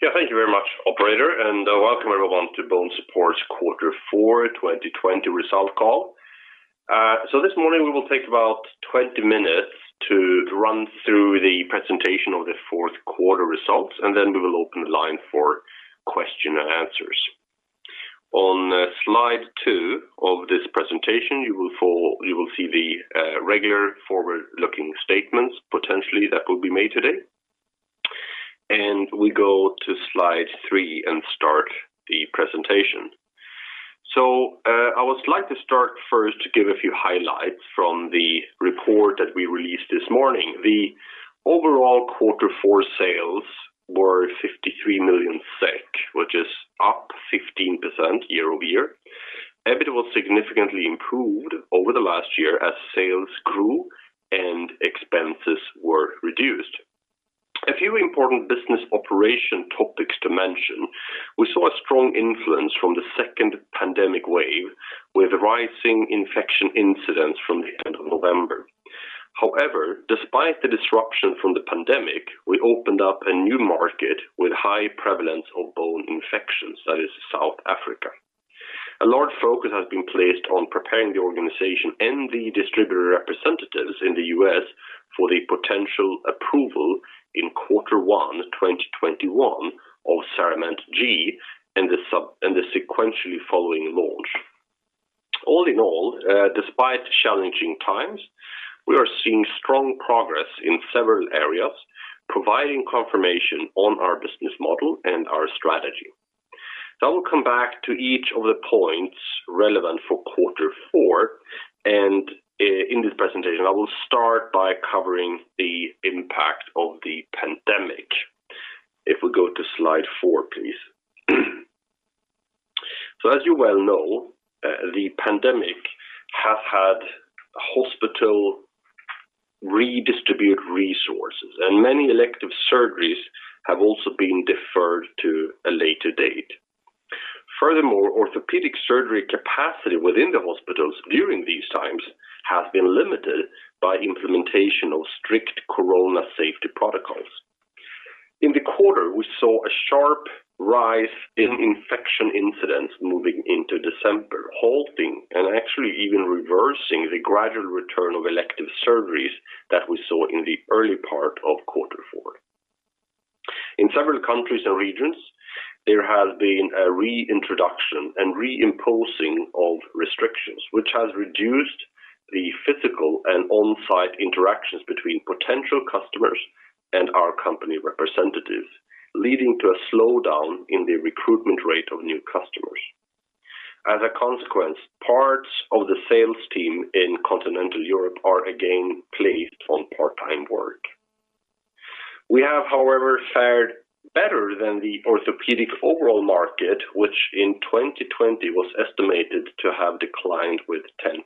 Yeah, thank you very much, operator, and welcome everyone to BONESUPPORT's Quarter four 2020 result call. This morning we will take about 20 minutes to run through the presentation of the fourth quarter results, and then we will open the line for question and answers. On slide two of this presentation, you will see the regular forward-looking statements potentially that will be made today, and we go to slide three and start the presentation. I would like to start first to give a few highlights from the report that we released this morning. The overall Quarter four sales were 53 million SEK, which is up 15% year-over-year. EBIT was significantly improved over the last year as sales grew and expenses were reduced. A few important business operation topics to mention. We saw a strong influence from the second pandemic wave, with rising infection incidence from the end of November. Despite the disruption from the pandemic, we opened up a new market with high prevalence of bone infections, that is South Africa. A large focus has been placed on preparing the organization and the distributor representatives in the U.S. for the potential approval in Quarter one 2021 of CERAMENT G and the sequentially following launch. Despite challenging times, we are seeing strong progress in several areas, providing confirmation on our business model and our strategy. I will come back to each of the points relevant for Quarter four and in this presentation, I will start by covering the impact of the pandemic. If we go to slide four, please. As you well know, the pandemic has had hospitals redistribute resources, and many elective surgeries have also been deferred to a later date. Furthermore, orthopedic surgery capacity within the hospitals during these times has been limited by implementation of strict corona safety protocols. In the quarter, we saw a sharp rise in infection incidence moving into December, halting and actually even reversing the gradual return of elective surgeries that we saw in the early part of Quarter four. In several countries and regions, there has been a reintroduction and reimposing of restrictions, which has reduced the physical and on-site interactions between potential customers and our company representatives, leading to a slowdown in the recruitment rate of new customers. As a consequence, parts of the sales team in Continental Europe are again placed on part-time work. We have, however, fared better than the orthopedic overall market, which in 2020 was estimated to have declined with 10%.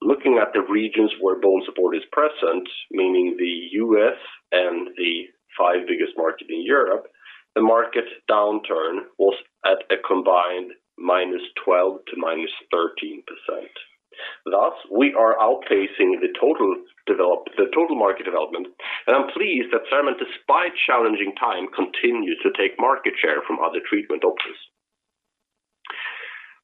Looking at the regions where BONESUPPORT is present, meaning the U.S. and the five biggest markets in Europe, the market downturn was at a combined -12% to -13%. Thus, we are outpacing the total market development, and I'm pleased that CERAMENT, despite challenging time, continues to take market share from other treatment options.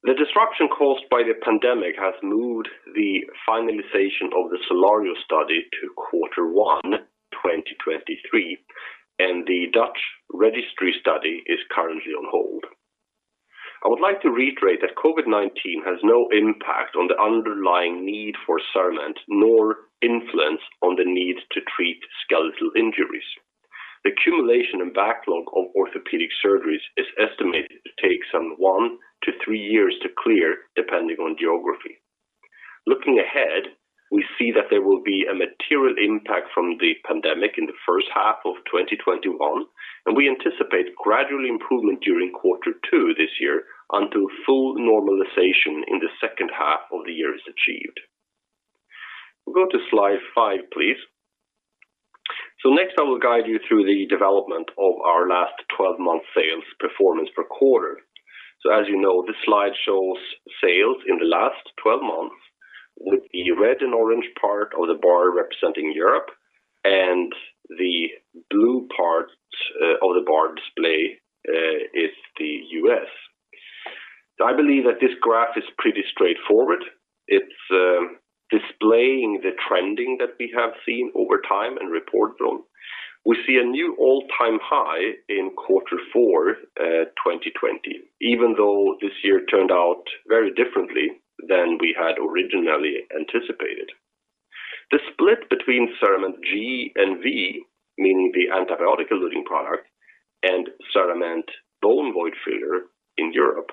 The disruption caused by the pandemic has moved the finalization of the SOLARIO study to Quarter one 2023, and the Dutch registry study is currently on hold. I would like to reiterate that COVID-19 has no impact on the underlying need for CERAMENT, nor influence on the need to treat skeletal injuries. The accumulation and backlog of orthopedic surgeries is estimated to take some one to three years to clear, depending on geography. Looking ahead, we see that there will be a material impact from the pandemic in the first half of 2021, and we anticipate gradual improvement during Quarter two this year until full normalization in the second half of the year is achieved. We go to slide five, please. Next, I will guide you through the development of our last 12-month sales performance per quarter. As you know, this slide shows sales in the last 12 months with the red and orange part of the bar representing Europe and the blue parts of the bar display is the U.S. I believe that this graph is pretty straightforward. It's displaying the trending that we have seen over time and report on. We see a new all-time high in Quarter four 2020, even though this year turned out very differently than we had originally anticipated. The split between CERAMENT G and CERAMENT V, meaning the antibiotic-eluting product, and CERAMENT bone void filler in Europe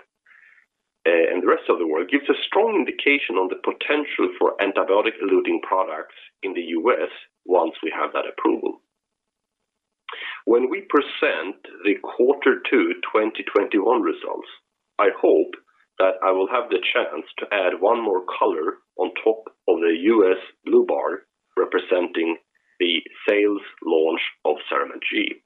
and the rest of the world gives a strong indication on the potential for antibiotic-eluting products in the U.S. once we have that approval. When we present the Quarter two 2021 results, I hope that I will have the chance to add one more color on top of the U.S. blue bar representing the sales launch of CERAMENT G.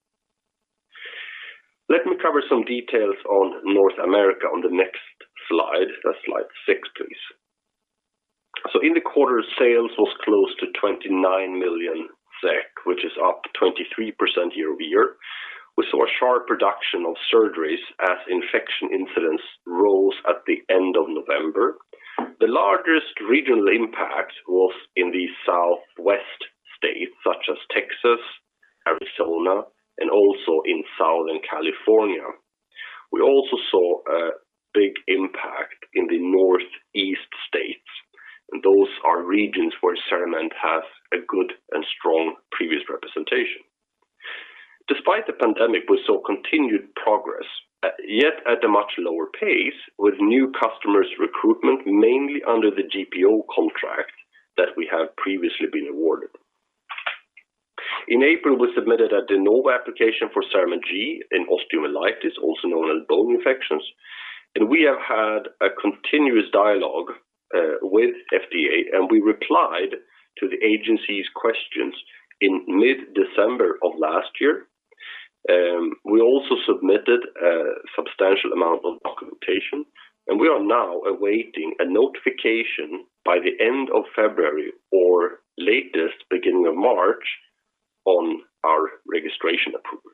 Let me cover some details on North America on the next slide. That's slide six, please. In the quarter, sales was close to 29 million SEK, which is up 23% year-over-year. We saw a sharp reduction of surgeries as infection incidence rose at the end of November. The largest regional impact was in the Southwest states such as Texas, Arizona, and also in Southern California. We also saw a big impact in the Northeast states. Those are regions where CERAMENT has a good and strong previous representation. Despite the pandemic, we saw continued progress, yet at a much lower pace, with new customers recruitment mainly under the GPO contract that we have previously been awarded. In April, we submitted a De Novo application for CERAMENT G in osteomyelitis, also known as bone infections. We have had a continuous dialogue with FDA. We replied to the agency's questions in mid-December of last year. We also submitted a substantial amount of documentation. We are now awaiting a notification by the end of February or latest, beginning of March, on our registration approval.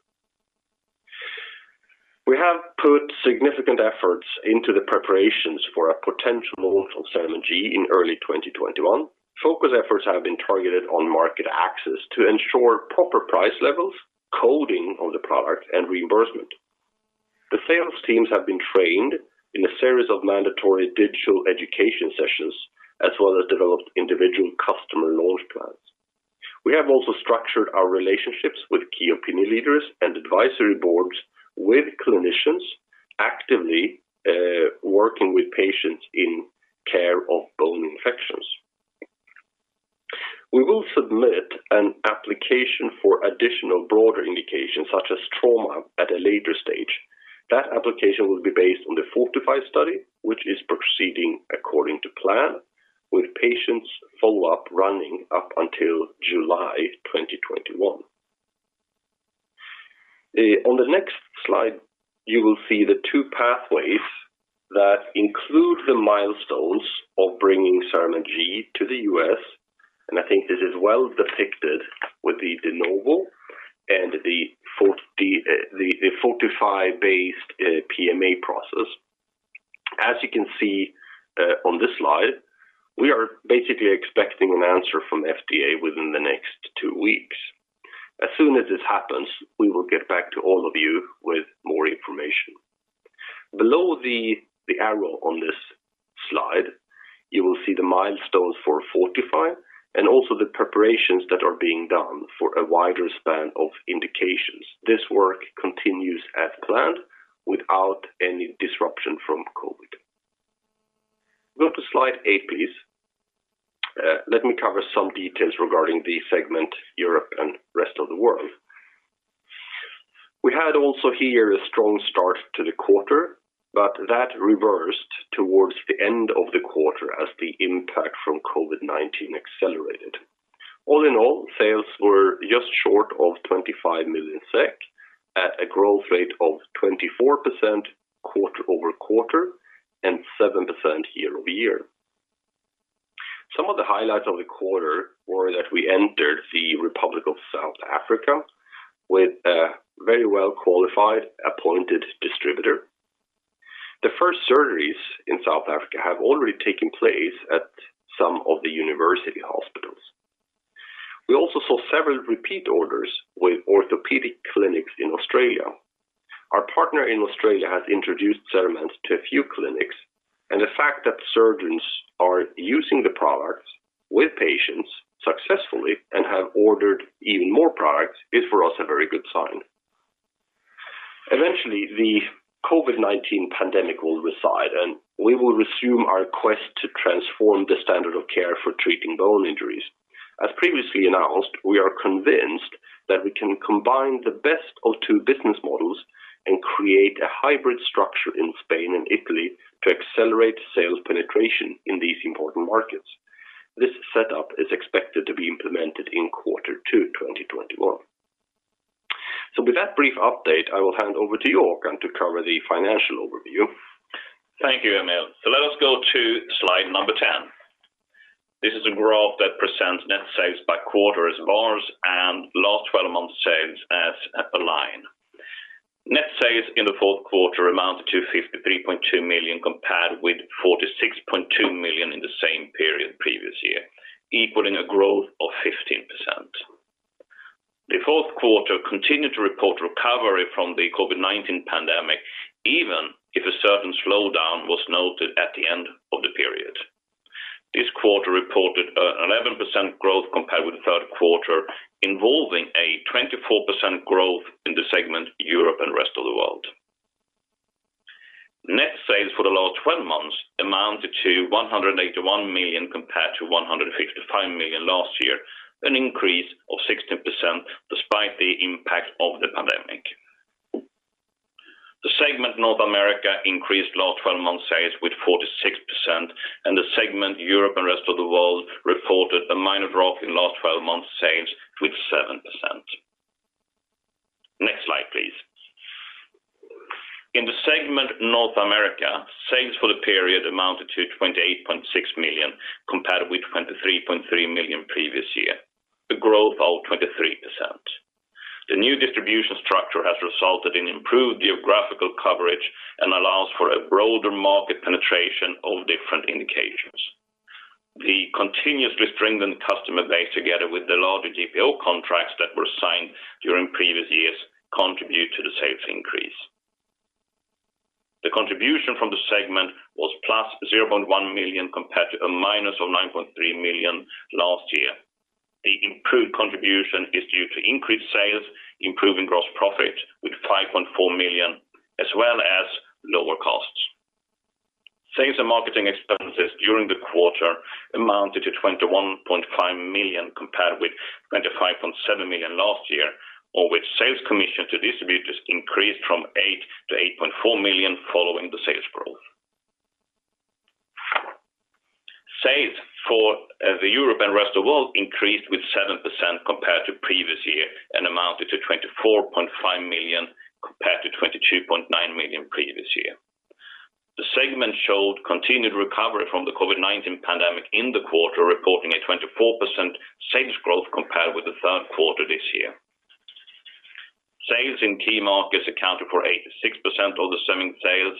We have put significant efforts into the preparations for a potential launch of CERAMENT G in early 2021. Focus efforts have been targeted on market access to ensure proper price levels, coding of the product, and reimbursement. The sales teams have been trained in a series of mandatory digital education sessions, as well as developed individual customer launch plans. We have also structured our relationships with key opinion leaders and advisory boards, with clinicians actively working with patients in care of bone infections. We will submit an application for additional broader indications such as trauma at a later stage. That application will be based on the FORTIFY study, which is proceeding according to plan, with patients' follow-up running up until July 2021. On the next slide, you will see the two pathways that include the milestones of bringing CERAMENT G to the U.S., I think this is well depicted with the De Novo and the FORTIFY-based PMA process. As you can see on this slide, we are basically expecting an answer from FDA within the next two weeks. As soon as this happens, we will get back to all of you with more information. Below the arrow on this slide, you will see the milestones for FORTIFY and also the preparations that are being done for a wider span of indications. This work continues as planned without any disruption from COVID. Go to slide eight, please. Let me cover some details regarding the segment Europe and rest of the world. We had also here a strong start to the quarter, that reversed towards the end of the quarter as the impact from COVID-19 accelerated. All in all, sales were just short of 25 million SEK at a growth rate of 24% quarter-over-quarter and 7% year-over-year. Some of the highlights of the quarter were that we entered the Republic of South Africa with a very well-qualified appointed distributor. The first surgeries in South Africa have already taken place at some of the university hospitals. We also saw several repeat orders with orthopedic clinics in Australia. Our partner in Australia has introduced CERAMENT to a few clinics, and the fact that surgeons are using the products with patients successfully and have ordered even more products is for us a very good sign. Eventually, the COVID-19 pandemic will reside, and we will resume our quest to transform the standard of care for treating bone injuries. As previously announced, we are convinced that we can combine the best of two business models and create a hybrid structure in Spain and Italy to accelerate sales penetration in these important markets. This setup is expected to be implemented in Q2 2021. With that brief update, I will hand over to Håkan to cover the financial overview. Thank you, Emil. Let us go to slide number 10. This is a graph that presents net sales by quarter as bars and last 12 months sales as a line. Net sales in the fourth quarter amounted to 53.2 million compared with 46.2 million in the same period previous year, equaling a growth of 15%. The fourth quarter continued to report recovery from the COVID-19 pandemic, even if a certain slowdown was noted at the end of the period. This quarter reported an 11% growth compared with the third quarter, involving a 24% growth in the segment Europe and rest of the world. Net sales for the last 12 months amounted to 181 million compared to 155 million last year, an increase of 16% despite the impact of the pandemic. The segment North America increased last 12 months sales with 46%, and the segment Europe and Rest of the World reported a minor drop in last 12 months sales with 7%. Next slide, please. In the segment North America, sales for the period amounted to 28.6 million, compared with 23.3 million previous year, a growth of 23%. The new distribution structure has resulted in improved geographical coverage and allows for a broader market penetration of different indications. The continuously strengthened customer base, together with the larger GPO contracts that were signed during previous years, contribute to the sales increase. The contribution from the segment was +0.1 million compared to a -9.3 million last year. The improved contribution is due to increased sales, improving gross profit with 5.4 million, as well as lower costs. Sales and marketing expenses during the quarter amounted to 21.5 million compared with 25.7 million last year, with sales commission to distributors increased from 8 million-8.4 million following the sales growth. Sales for the Europe and Rest of the World increased with 7% compared to previous year and amounted to 24.5 million compared to 22.9 million previous year. The segment showed continued recovery from the COVID-19 pandemic in the quarter, reporting a 24% sales growth compared with the third quarter this year. Sales in key markets accounted for 86% of the segment sales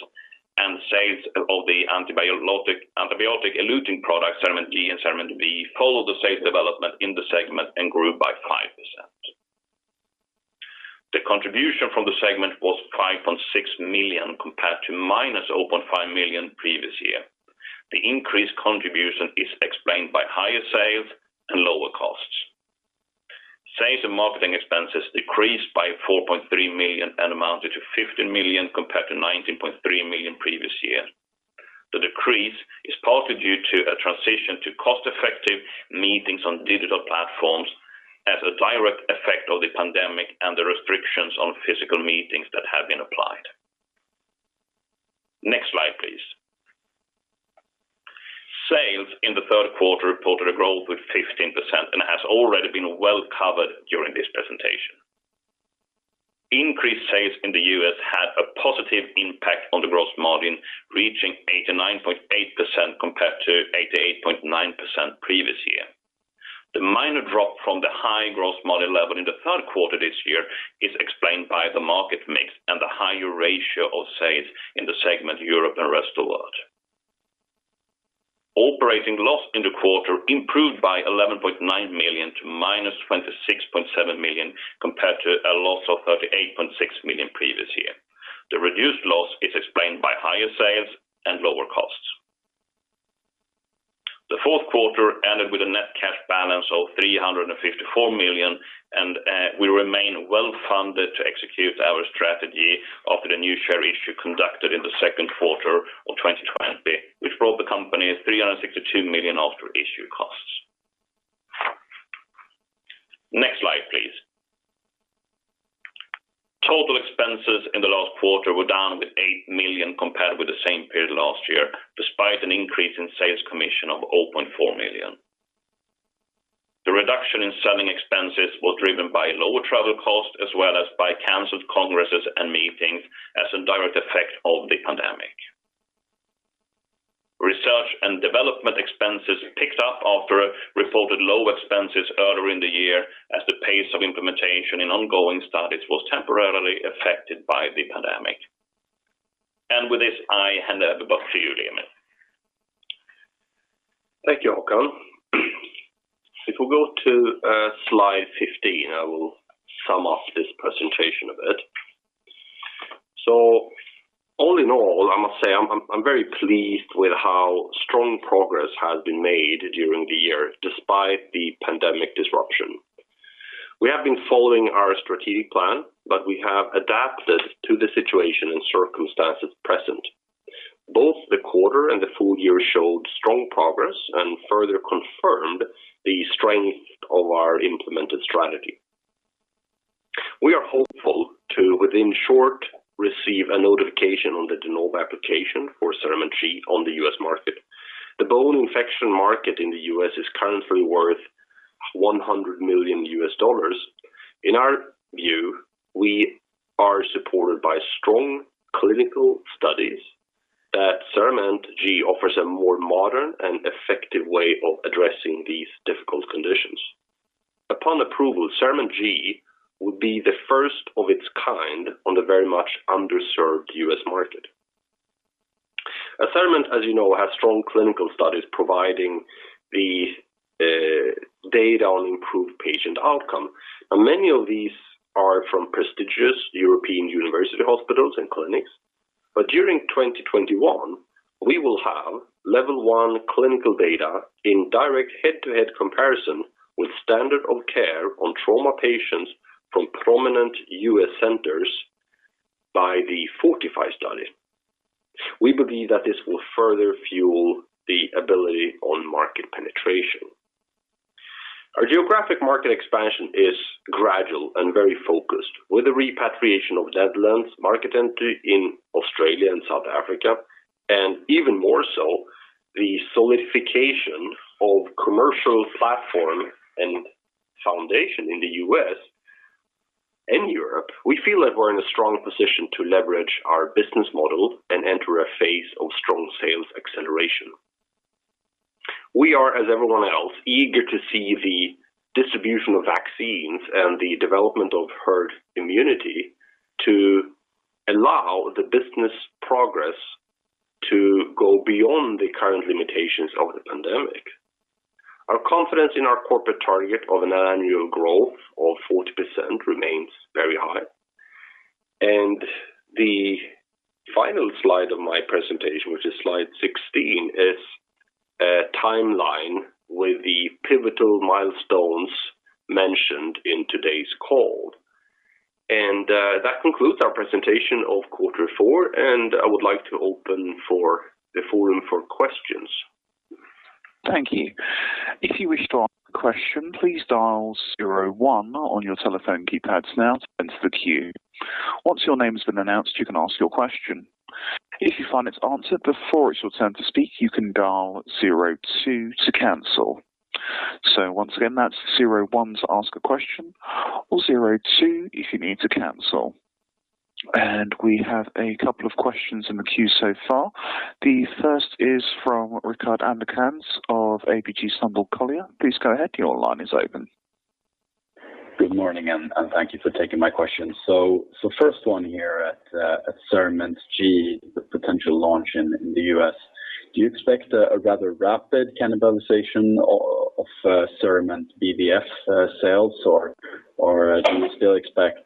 and sales of the antibiotic eluting product, CERAMENT G and CERAMENT V, followed the sales development in the segment and grew by 5%. The contribution from the segment was 5.6 million compared to -0.5 million previous year. The increased contribution is explained by higher sales and lower costs. Sales and marketing expenses decreased by 4.3 million and amounted to 15 million compared to 19.3 million previous year. The decrease is partly due to a transition to cost-effective meetings on digital platforms as a direct effect of the pandemic and the restrictions on physical meetings that have been applied. Next slide, please. Sales in the third quarter reported a growth with 15% and has already been well covered during this presentation. Increased sales in the U.S. had a positive impact on the gross margin, reaching 89.8% compared to 88.9% previous year. The minor drop from the high gross margin level in the third quarter this year is explained by the market mix and the higher ratio of sales in the segment Europe and Rest of World. Operating loss in the quarter improved by 11.9 million to -26.7 million, compared to a loss of -38.6 million previous year. The reduced loss is explained by higher sales and lower costs. The fourth quarter ended with a net cash balance of 354 million, and we remain well-funded to execute our strategy after the new share issue conducted in the second quarter of 2020, which brought the company 362 million after issue costs. Next slide, please. Total expenses in the last quarter were down with 8 million compared with the same period last year, despite an increase in sales commission of 0.4 million. The reduction in selling expenses was driven by lower travel costs as well as by canceled congresses and meetings as a direct effect of the pandemic. Research and development expenses picked up after reported low expenses earlier in the year as the pace of implementation in ongoing studies was temporarily affected by the pandemic. With this, I hand over back to you, Emil. Thank you, Håkan. If we go to slide 15, I will sum up this presentation a bit. All in all, I must say I'm very pleased with how strong progress has been made during the year despite the pandemic disruption. We have been following our strategic plan, but we have adapted to the situation and circumstances present. Both the quarter and the full year showed strong progress and further confirmed the strength of our implemented strategy. We are hopeful to, within short, receive a notification on the De Novo application for CERAMENT G on the U.S. market. The bone infection market in the U.S. is currently worth $100 million. In our view, we are supported by strong clinical studies that CERAMENT G offers a more modern and effective way of addressing these difficult conditions. Upon approval, CERAMENT G would be the first of its kind on the very much underserved U.S. market. CERAMENT, as you know, has strong clinical studies providing the data on improved patient outcome. Now many of these are from prestigious European university hospitals and clinics. During 2021, we will have level one clinical data in direct head-to-head comparison with standard of care on trauma patients from prominent U.S. centers by the FORTIFY study. We believe that this will further fuel the ability on market penetration. Our geographic market expansion is gradual and very focused with the repatriation of Benelux, market entry in Australia and South Africa, and even more so, the solidification of commercial platform and foundation in the U.S. and Europe. We feel that we're in a strong position to leverage our business model and enter a phase of strong sales acceleration. We are, as everyone else, eager to see the distribution of vaccines and the development of herd immunity to allow the business progress to go beyond the current limitations of the pandemic. Our confidence in our corporate target of an annual growth of 40% remains very high. The final slide of my presentation, which is slide 16, is a timeline with the pivotal milestones mentioned in today's call. That concludes our presentation of quarter four, and I would like to open the forum for questions. Thank you. If you wish to ask a question, please dial zero one on your telephone keypads now to enter the queue. Once your name has been announced, you can ask your question. If you find it's answered before it's your turn to speak, you can dial zero two to cancel. Once again, that's zero one to ask a question or zero two if you need to cancel. We have a couple of questions in the queue so far. The first is from Rickard Anderkrans of ABG Sundal Collier. Please go ahead. Your line is open. Good morning, and thank you for taking my question. First one here at CERAMENT G, the potential launch in the U.S. Do you expect a rather rapid cannibalization of CERAMENT BVF sales, or do you still expect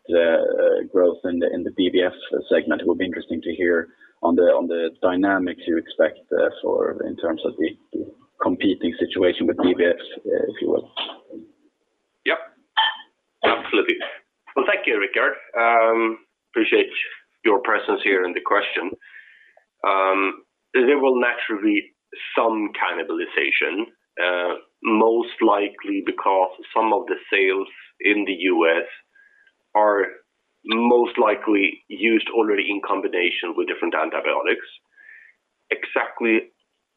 growth in the BVF segment? It would be interesting to hear on the dynamics you expect for in terms of the competing situation with BVF, if you would. Yep. Absolutely. Well, thank you, Rickard. Appreciate your presence here and the question. There will naturally be some cannibalization, most likely because some of the sales in the U.S. are most likely used already in combination with different antibiotics. Exactly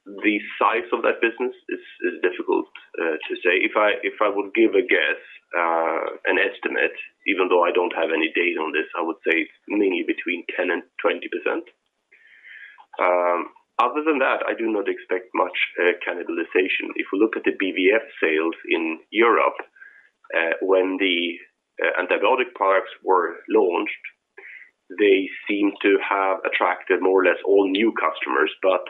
the size of that business is difficult to say. If I would give a guess, an estimate, even though I don't have any data on this, I would say mainly between 10%-20%. Other than that, I do not expect much cannibalization. If we look at the BVF sales in Europe, when the antibiotic products were launched, they seem to have attracted more or less all new customers, but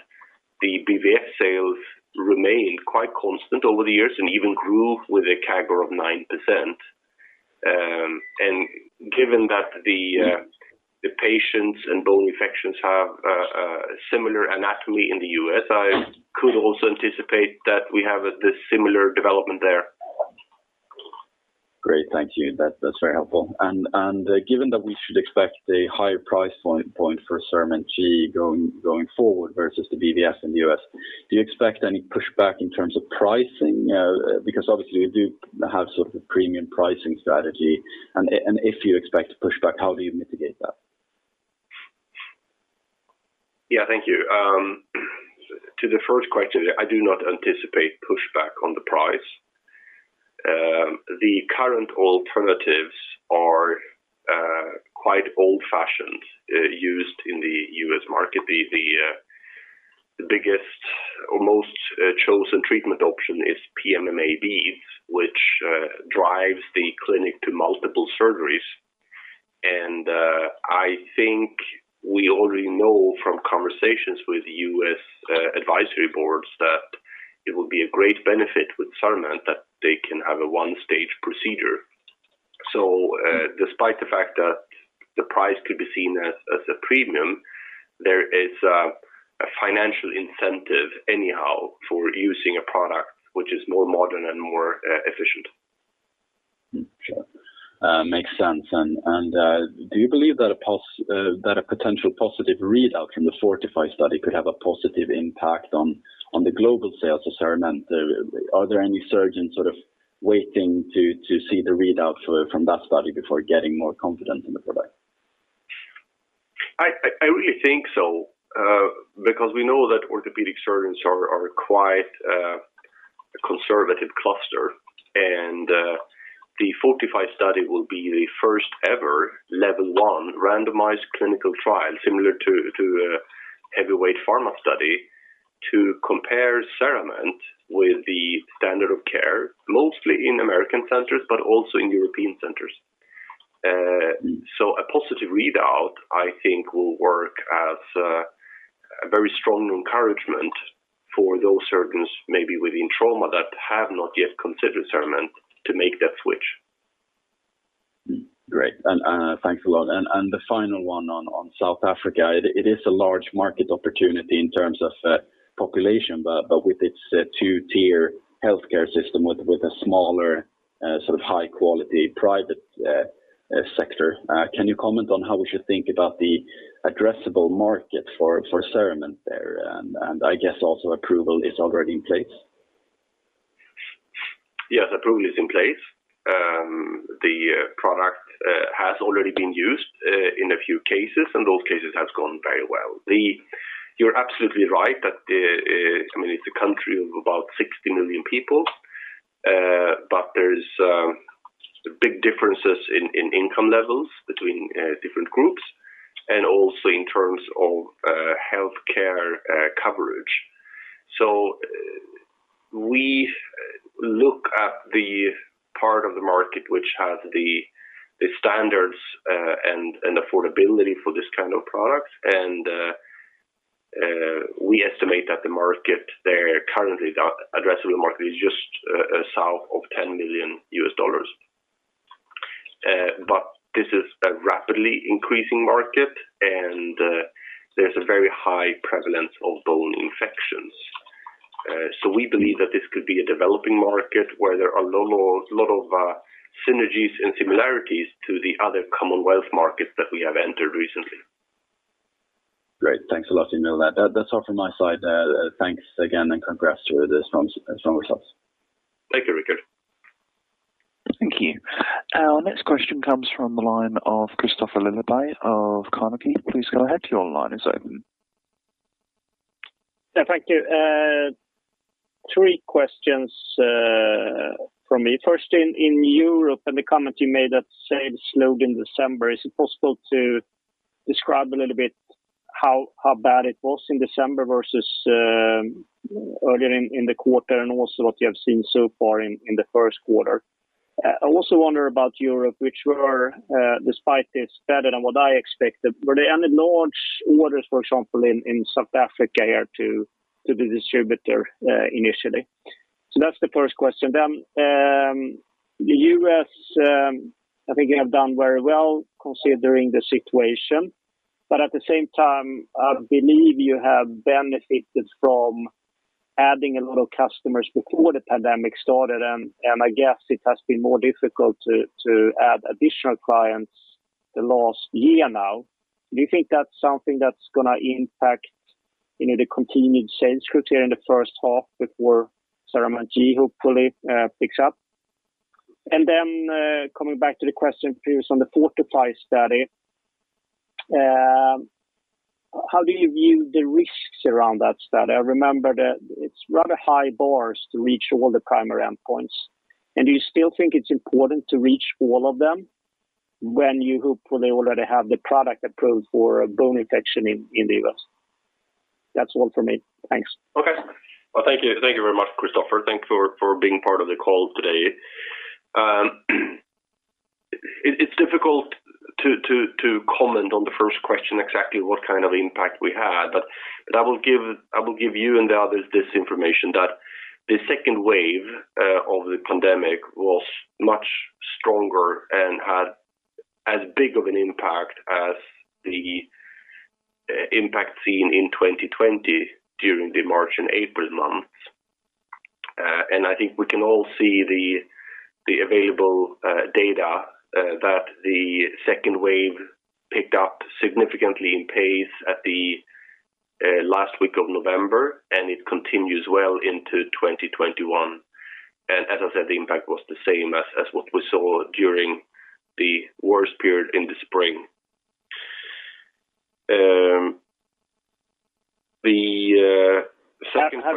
the BVF sales remained quite constant over the years and even grew with a CAGR of 9%. Given that the patients and bone infections have a similar anatomy in the U.S., I could also anticipate that we have a similar development there. Great. Thank you. That's very helpful. Given that we should expect a higher price point for CERAMENT G going forward versus the BVF in the U.S., do you expect any pushback in terms of pricing? Obviously you do have sort of a premium pricing strategy. If you expect pushback, how do you mitigate that? Yeah, thank you. To the first question, I do not anticipate pushback on the price. The current alternatives are quite old-fashioned, used in the U.S. market. The biggest or most chosen treatment option is PMMA beads, which drives the clinic to multiple surgeries. I think we already know from conversations with U.S. advisory boards that it will be a great benefit with CERAMENT that they can have a one-stage procedure. Despite the fact that the price could be seen as a premium, there is a financial incentive anyhow for using a product which is more modern and more efficient. Sure. Makes sense. Do you believe that a potential positive readout from the FORTIFY study could have a positive impact on the global sales of CERAMENT? Are there any surgeons sort of waiting to see the readout from that study before getting more confident in the product? I really think so, because we know that orthopedic surgeons are a quite conservative cluster, and the FORTIFY study will be the first ever level one randomized clinical trial, similar to a heavyweight pharma study, to compare CERAMENT with the standard of care, mostly in American centers, but also in European centers. A positive readout, I think, will work as a very strong encouragement for those surgeons, maybe within trauma, that have not yet considered CERAMENT to make that switch. Great. Thanks a lot. The final one on South Africa. It is a large market opportunity in terms of population, but with its two-tier healthcare system with a smaller sort of high quality private sector. Can you comment on how we should think about the addressable market for CERAMENT there? I guess also approval is already in place. Yes, approval is in place. The product has already been used in a few cases, and those cases have gone very well. You're absolutely right that it's a country of about 60 million people. There's big differences in income levels between different groups and also in terms of healthcare coverage. We look at the part of the market which has the standards and affordability for this kind of product. We estimate that the market there currently, the addressable market is just south of $10 million. This is a rapidly increasing market, and there's a very high prevalence of bone infections. We believe that this could be a developing market where there are a lot of synergies and similarities to the other Commonwealth markets that we have entered recently. Great. Thanks a lot, Emil. That's all from my side there. Thanks again and congrats to the strong results. Thank you, Rickard. Thank you. Our next question comes from the line of Kristofer Liljeberg of Carnegie. Please go ahead, your line is open. Yeah, thank you. Three questions from me. First, in Europe and the comment you made that sales slowed in December, is it possible to describe a little bit how bad it was in December versus earlier in the quarter and also what you have seen so far in the first quarter? I also wonder about Europe, which were, despite this, better than what I expected. Were there any large orders, for example, in South Africa here to the distributor initially? That's the first question. The U.S., I think you have done very well considering the situation, but at the same time, I believe you have benefited from adding a lot of customers before the pandemic started, and I guess it has been more difficult to add additional clients the last year now. Do you think that's something that's going to impact the continued sales growth here in the first half before CERAMENT G hopefully picks up? Coming back to the question previous on the FORTIFY study. How do you view the risks around that study? I remember that it's rather high bars to reach all the primary endpoints. Do you still think it's important to reach all of them when you hopefully already have the product approved for bone infection in the U.S.? That's all from me. Thanks. Okay. Well, thank you very much, Kristofer. Thanks for being part of the call today. It's difficult to comment on the first question exactly what kind of impact we had. I will give you and the others this information that the second wave of the pandemic was much stronger and had as big of an impact as the impact seen in 2020 during the March and April months. I think we can all see the available data that the second wave picked up significantly in pace at the last week of November, and it continues well into 2021. As I said, the impact was the same as what we saw during the worst period in the spring. Have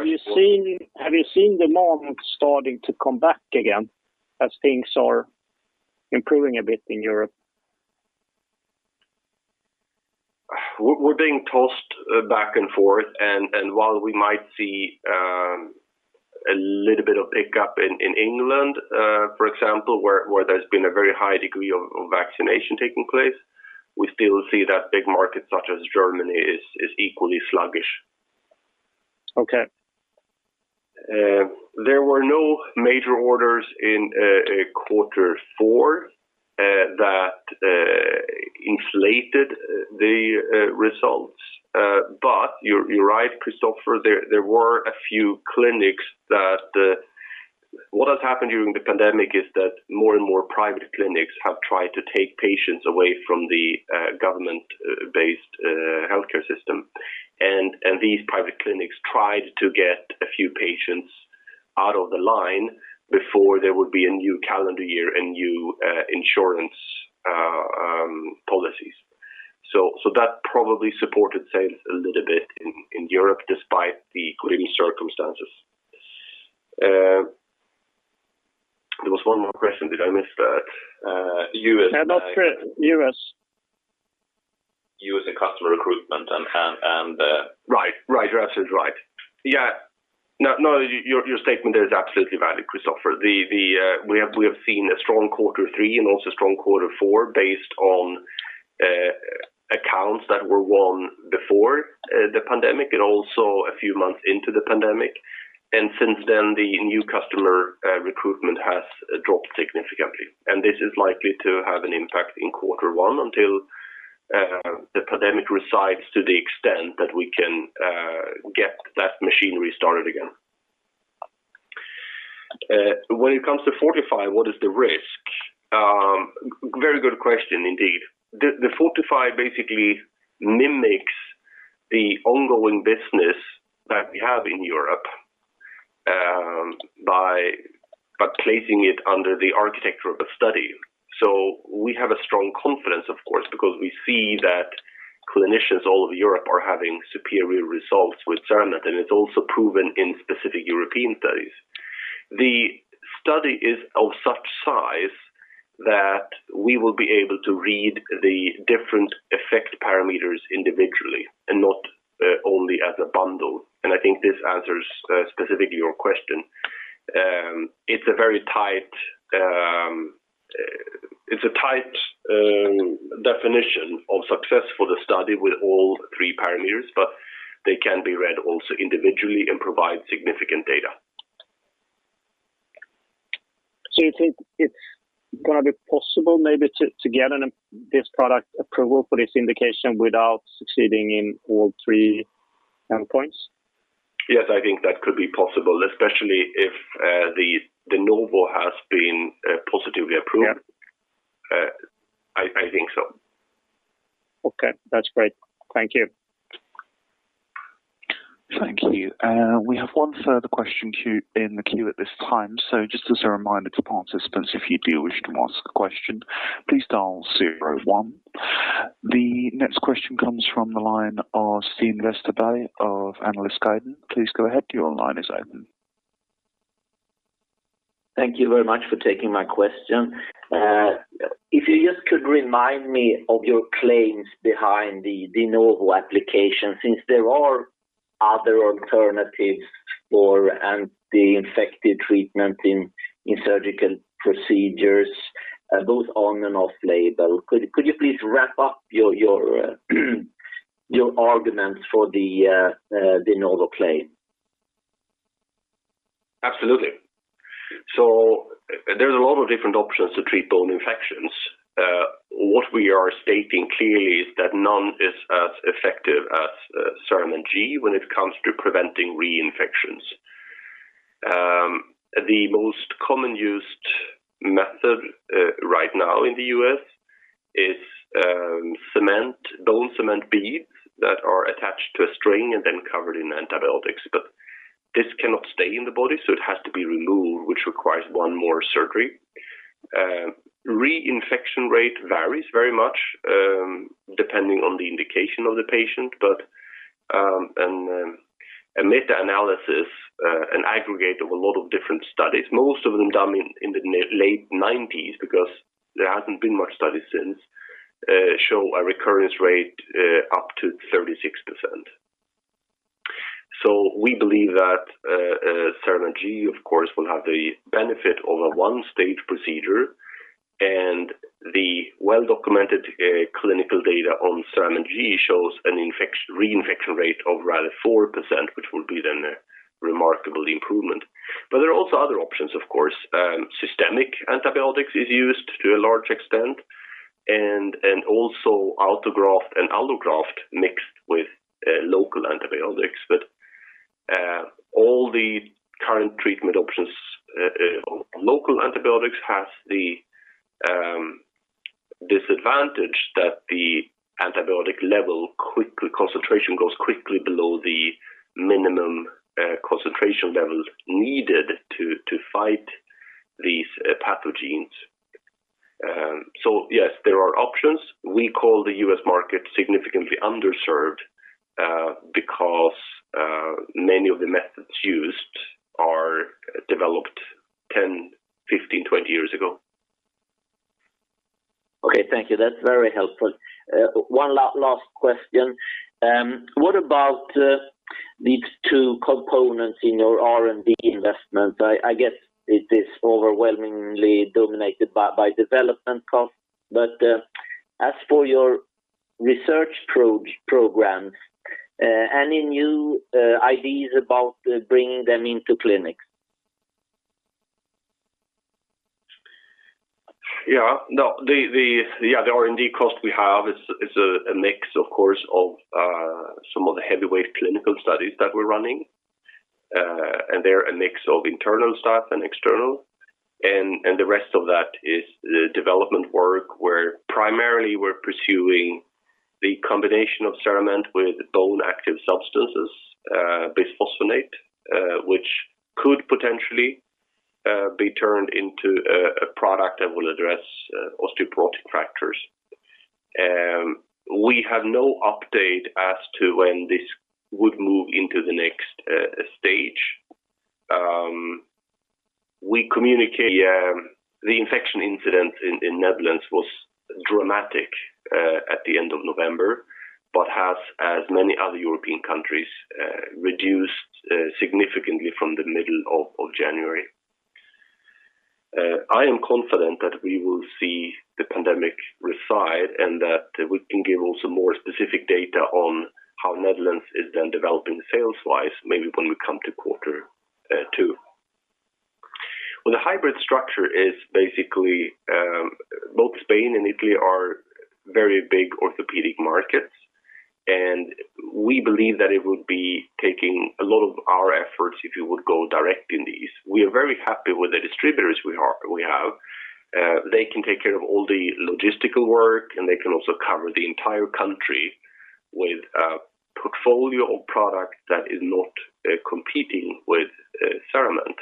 you seen the moment starting to come back again as things are improving a bit in Europe? We're being tossed back and forth, and while we might see a little bit of pickup in England, for example, where there's been a very high degree of vaccination taking place, we still see that big markets such as Germany is equally sluggish. Okay. There were no major orders in quarter four that inflated the results. You're right, Kristofer, there were a few clinics. What has happened during the pandemic is that more and more private clinics have tried to take patients away from the government-based healthcare system. These private clinics tried to get a few patients out of the line before there would be a new calendar year and new insurance policies. That probably supported sales a little bit in Europe despite the gloomy circumstances. There was one more question. Did I miss that? No, U.S. U.S. and customer recruitment. Right. You're absolutely right. Yeah. Your statement there is absolutely valid, Kristofer. We have seen a strong quarter three and also strong quarter four based on accounts that were won before the pandemic and also a few months into the pandemic. Since then, the new customer recruitment has dropped significantly. This is likely to have an impact in quarter one until the pandemic resides to the extent that we can get that machinery started again. When it comes to FORTIFY, what is the risk? Very good question indeed. The FORTIFY basically mimics the ongoing business that we have in Europe by placing it under the architecture of a study. We have a strong confidence, of course, because we see that clinicians all over Europe are having superior results with CERAMENT, and it's also proven in specific European studies. The study is of such size that we will be able to read the different effect parameters individually and not only as a bundle. I think this answers specifically your question. It's a tight definition of success for the study with all three parameters, but they can be read also individually and provide significant data. You think it's going to be possible maybe to get this product approval for this indication without succeeding in all three endpoints? Yes, I think that could be possible, especially if the De Novo has been positively approved. Yeah. I think so. Okay. That's great. Thank you. Thank you. We have one further question in the queue at this time. Just as a reminder to participants, if you do wish to ask a question, please dial zero one. The next question comes from the line of Sten Westerberg of Analyst Group. Please go ahead. Your line is open. Thank you very much for taking my question. If you just could remind me of your claims behind the De Novo application, since there are other alternatives for anti-infective treatment in surgical procedures, both on and off label. Could you please wrap up your arguments for the De Novo claim? Absolutely. There's a lot of different options to treat bone infections. What we are stating clearly is that none is as effective as CERAMENT G when it comes to preventing reinfections. The most common used method right now in the U.S. is bone cement beads that are attached to a string and then covered in antibiotics. This cannot stay in the body, so it has to be removed, which requires one more surgery. Reinfection rate varies very much depending on the indication of the patient. A meta-analysis, an aggregate of a lot of different studies, most of them done in the late 1990s because there hasn't been much studies since, show a recurrence rate up to 36%. We believe that CERAMENT G, of course, will have the benefit of a one-stage procedure, and the well-documented clinical data on CERAMENT G shows an reinfection rate of rather 4%, which will be then a remarkable improvement. There are also other options, of course. Systemic antibiotics is used to a large extent, and also autograft and allograft mixed with local antibiotics. All the current treatment options, local antibiotics has the disadvantage that the antibiotic level concentration goes quickly below the minimum concentration levels needed to fight these pathogens. Yes, there are options. We call the U.S. market significantly underserved because many of the methods used are developed 10, 15, 20 years ago. Okay. Thank you. That's very helpful. One last question. What about these two components in your R&D investment? I guess it is overwhelmingly dominated by development cost. As for your research program, any new ideas about bringing them into clinic? Yeah. No. The R&D cost we have is a mix, of course, of some of the heavyweight clinical studies that we're running, and they're a mix of internal stuff and external. The rest of that is the development work where primarily we're pursuing the combination of CERAMENT with bone active substances, bisphosphonate, which could potentially be turned into a product that will address osteoporotic fractures. We have no update as to when this would move into the next stage. We communicate the infection incident in Netherlands was dramatic at the end of November, but has, as many other European countries, reduced significantly from the middle of January. I am confident that we will see the pandemic reside and that we can give also more specific data on how Netherlands is then developing sales-wise, maybe when we come to quarter two. Well, the hybrid structure is basically both Spain and Italy are very big orthopedic markets. We believe that it would be taking a lot of our efforts if you would go direct in these. We are very happy with the distributors we have. They can take care of all the logistical work. They can also cover the entire country with a portfolio of product that is not competing with CERAMENT.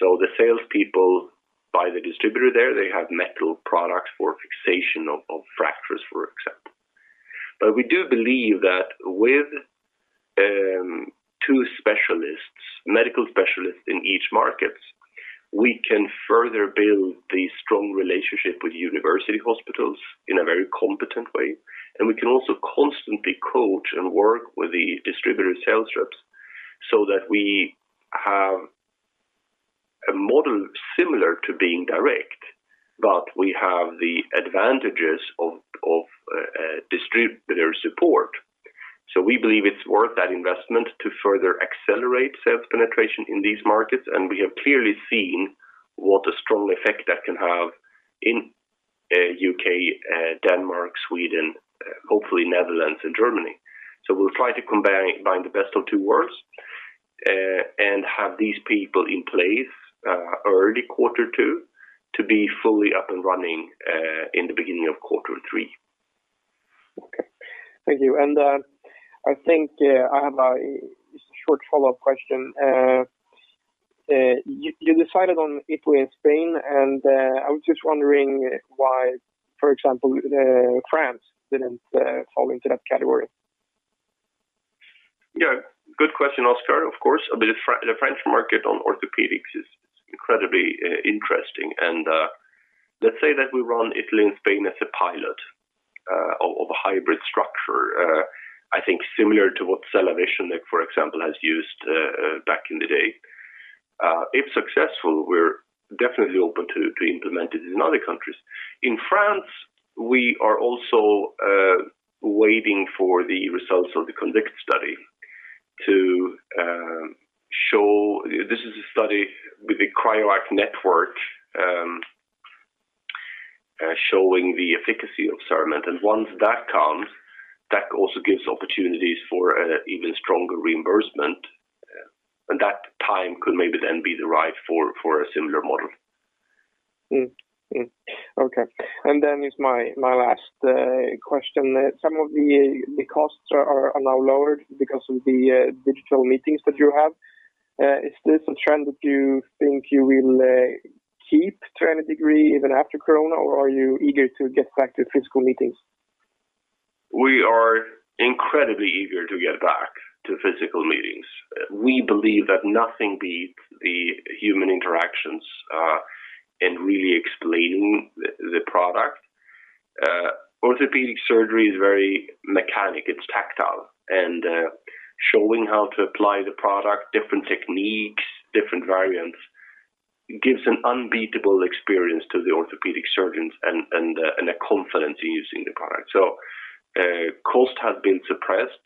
The salespeople by the distributor there, they have metal products for fixation of fractures, for example. We do believe that with two medical specialists in each market, we can further build the strong relationship with university hospitals in a very competent way, and we can also constantly coach and work with the distributor sales reps so that we have a model similar to being direct, but we have the advantages of distributor support. We believe it's worth that investment to further accelerate sales penetration in these markets, and we have clearly seen what a strong effect that can have in U.K., Denmark, Sweden, hopefully Netherlands, and Germany. We'll try to combine the best of two worlds, and have these people in place early quarter two to be fully up and running in the beginning of quarter three. Okay. Thank you. I think I have a short follow-up question. You decided on Italy and Spain, I was just wondering why, for example, France didn't fall into that category? Yeah, good question, Oscar. Of course, the French market on orthopedics is incredibly interesting. Let's say that we run Italy and Spain as a pilot of a hybrid structure, I think similar to what CellaVision, for example, has used back in the day. If successful, we're definitely open to implement it in other countries. In France, we are also waiting for the results of the CONVICTION study. This is a study with the CRIOAc network, showing the efficacy of CERAMENT. Once that comes, that also gives opportunities for an even stronger reimbursement. That time could maybe then be derived for a similar model. Okay. It's my last question. Some of the costs are now lowered because of the digital meetings that you have. Is this a trend that you think you will keep to any degree even after Corona, or are you eager to get back to physical meetings? We are incredibly eager to get back to physical meetings. We believe that nothing beats the human interactions, and really explaining the product. Orthopedic surgery is very mechanic. It's tactile. Showing how to apply the product, different techniques, different variants, gives an unbeatable experience to the orthopedic surgeons, and a confidence in using the product. Cost has been suppressed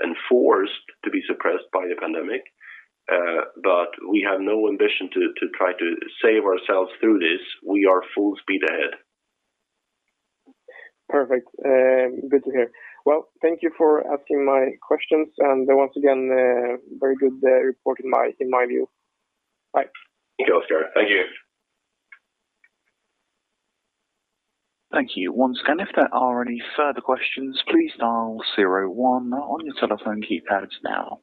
and forced to be suppressed by the pandemic, but we have no ambition to try to save ourselves through this. We are full speed ahead. Perfect. Good to hear. Well, thank you for answering my questions. Once again, very good report in my view. Bye. Thank you, Oscar. Thank you. Thank you. Once again, if there are any further questions, please dial zero one on your telephone keypads now.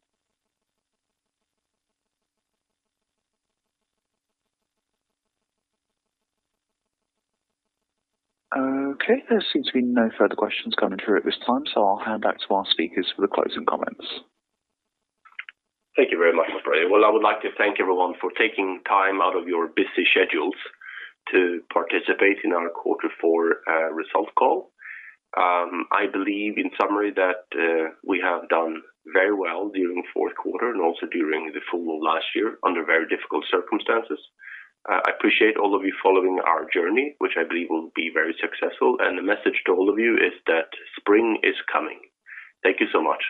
Okay. There seems to be no further questions coming through at this time. I'll hand back to our speakers for the closing comments. Thank you very much, Andre. Well, I would like to thank everyone for taking time out of your busy schedules to participate in our quarter four result call. I believe in summary that we have done very well during the fourth quarter and also during the full last year under very difficult circumstances. I appreciate all of you following our journey, which I believe will be very successful, and the message to all of you is that spring is coming. Thank you so much.